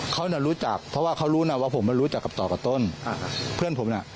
เพราะว่าเขารู้ว่าผมรู้จักกับต่อกต้นเพื่อนผมนะ